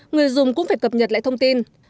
người dùng cũng phải cập nhật lại thông tin